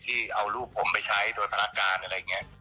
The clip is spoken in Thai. ที่เอาลูกผมไปใช้โดยพละการ